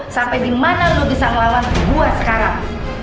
sampai dimana lo bisa ngelawan gue sekarang